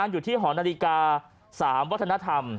อยู่ที่หอนาฬิกา๓วัฒนธรรม